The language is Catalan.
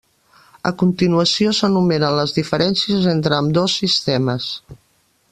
A continuació s'enumeren les diferències entre ambdós sistemes.